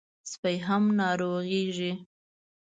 سپي هم ناروغېږي.